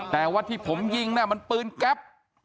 แต่ว่าที่ผมยิงน่ะมันปืนแก๊ป